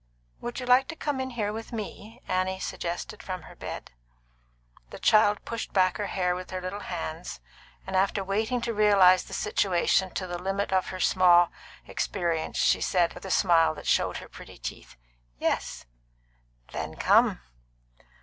"Would you like to come in here with me?" Annie suggested from her bed. The child pushed back her hair with her little hands, and after waiting to realise the situation to the limit of her small experience, she said, with a smile that showed her pretty teeth, "Yes." "Then come."